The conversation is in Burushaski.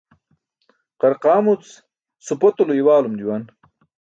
Qarqaamuc supotulo i̇waalum juwan.